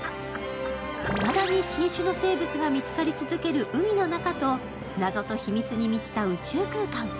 いまだに新種の生物が見つかり続ける海の中と謎と秘密に満ちた宇宙空間。